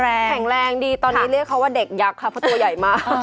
แข็งแรงดีตอนนี้เรียกเขาว่าเด็กยักษ์ค่ะเพราะตัวใหญ่มาก